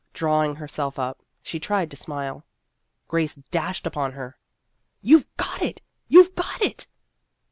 Drawing herself up, she tried to smile. Grace dashed upon her. " You Ve got it ! You Ve got it